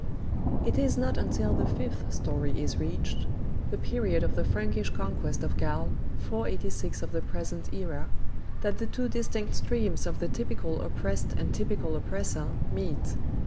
It is not until the fifth story is reached the period of the Frankish conquest of Gaul, 486 of the present era that the two distinct streams of the typical oppressed and typical oppressor meet.